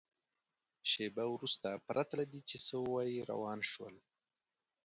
شېبه وروسته پرته له دې چې څه ووایي روان شول.